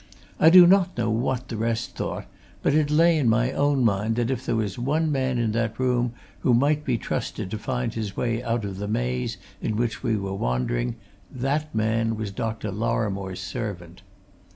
I do not know what the rest thought, but it lay in my own mind that if there was one man in that room who might be trusted to find his way out of the maze in which we were wandering, that man was Dr. Lorrimore's servant.